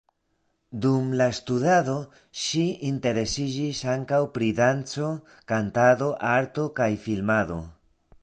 Dum la studado ŝi interesiĝis ankaŭ pri danco, kantado, arto kaj filmado.